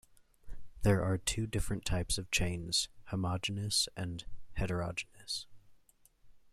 There are two different types of chains: homogeneous and heterogeneous.